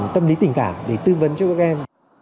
tâm lý tình cảm để tư vấn cho các em